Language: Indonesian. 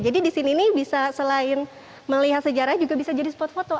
jadi di sini nih bisa selain melihat sejarah juga bisa jadi spot foto